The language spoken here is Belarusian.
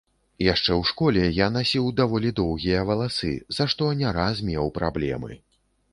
Яшчэ ў школе я насіў даволі доўгія валасы, за што не раз меў праблемы.